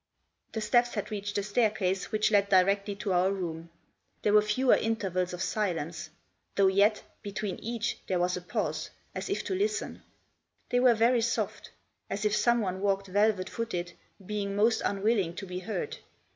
The steps had reached the staircase which led directly to our room. There were fewer intervals of silence ; though, yet, between each, there was a pause, as if to listen. They were very soft ; as if someone walked velvet footed, being most unwilling to be heard.